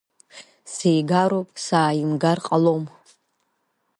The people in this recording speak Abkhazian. Сигароуп, сааимгар ҟалом!